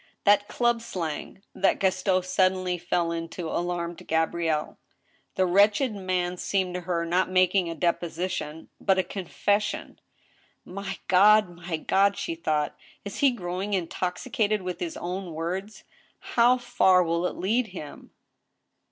That club slang that Gaston suddenly fell into alarmed Gabrielle. The wretched man seemed to her not making a deposition, but a confession. My God ! my God !" she thought, "he is growing intoxicated v^dth his own words. How far will it lead him